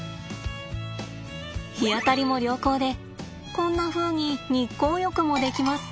日当たりも良好でこんなふうに日光浴もできます。